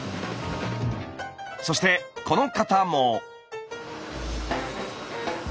そしてこの方も。